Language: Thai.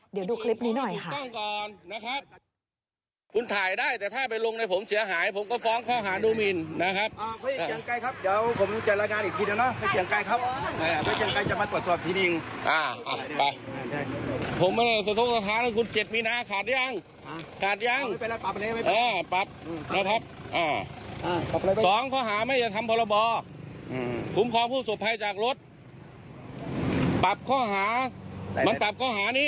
เดี๋ยวดูคลิปนี้หน่อยค่ะ